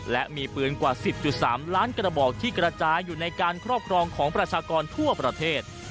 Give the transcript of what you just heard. และมีปืนกว่า๑๐๓ล้านกระบอกที่กระจายอยู่ในการครอบครองของประชากรทั่วประเทศ